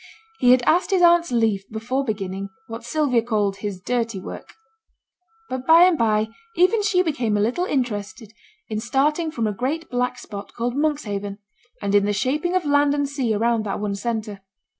He had asked his aunt's leave before beginning what Sylvia called his 'dirty work;' but by and by even she became a little interested in starting from a great black spot called Monkshaven, and in the shaping of land and sea around that one centre.